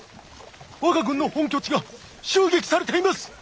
我が軍の本拠地が襲撃されています！